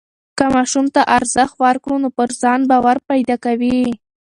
که ماشوم ته ارزښت ورکړو نو پر ځان باور پیدا کوي.